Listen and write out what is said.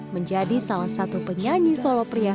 menjadi salah satu penyanyi solo pria